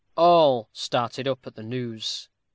All started up at the news.